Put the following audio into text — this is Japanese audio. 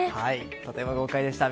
とても豪快でした。